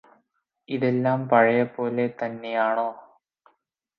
ഇതെല്ലാം പഴയപോലെ തന്നെയാണോ